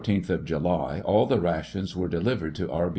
Until the 14th of July all the rations were delivered to R.